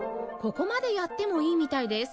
ここまでやってもいいみたいです